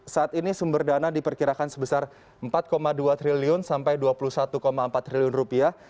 saat ini sumber dana diperkirakan sebesar empat dua triliun sampai dua puluh satu empat triliun rupiah